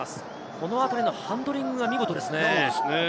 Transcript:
このあたりのハンドリングが見事ですね。